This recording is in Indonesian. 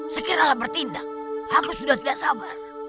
sekira bertindak aku sudah tidak sabar